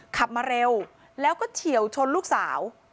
ขับมาเร็วแล้วก็เฉียวชนลูกสาว